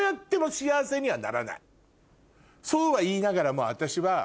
そうは言いながらも私は。